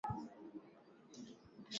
Huu ni wakati wa kuamua kusaidiana.